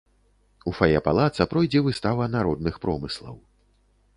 У фае палаца пройдзе выстава народных промыслаў.